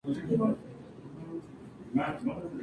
Es uno de los escritores cuya obra trascendió internacionalmente.